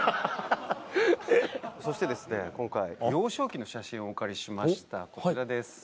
そして今回幼少期の写真をお借りしましたこちらです。